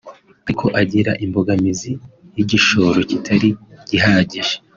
ariko agira imbogamizi y’igishoro kitari gihagije